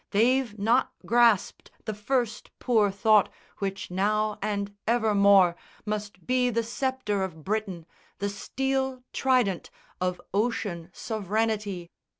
They've not grasped The first poor thought which now and evermore Must be the sceptre of Britain, the steel trident Of ocean sovereignty.